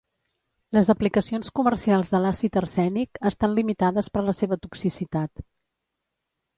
Les aplicacions comercials de l'àcid arsènic estan limitades per la seva toxicitat.